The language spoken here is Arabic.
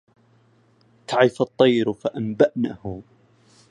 تعيف الطير فأنبأنه